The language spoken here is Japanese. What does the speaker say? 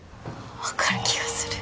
わかる気がする。